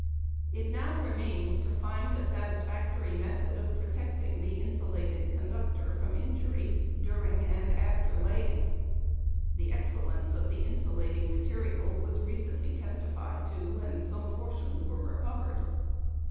It now remained to find a satisfactory method of protecting the insulated conductor from injury during and after laying. The excellence of the insulating material was recently testified to when some portions were recovered.